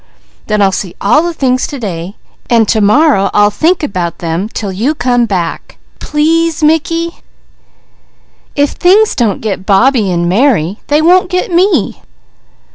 "Then I'll see all the things to day, an' to morrow I'll think about them 'til you come back. Please Mickey! If things don't get Bobbie an' Mary, they won't get me!"